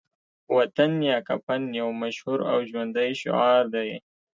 وطن یا کفن يو مشهور او ژوندی شعار دی